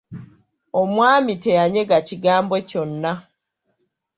Omwami teyanyega kigambo kyonna.